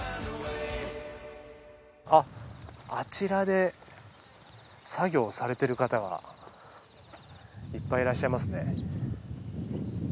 あっあちらで作業されてる方がいっぱいいらっしゃいますね。